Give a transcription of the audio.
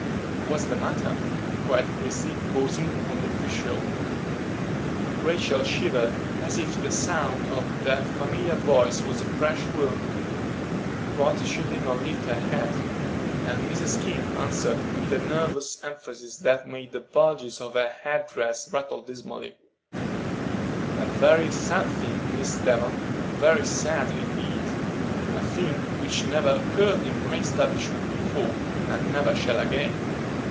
"What's the matter?" cried Christie, pausing on the threshold. [Illustration: MRS. KING AND MISS COTTON.] Rachel shivered, as if the sound of that familiar voice was a fresh wound, but she did not lift her head; and Mrs. King answered, with a nervous emphasis that made the bugles of her head dress rattle dismally: "A very sad thing, Miss Devon,—very sad, indeed; a thing which never occurred in my establishment before, and never shall again.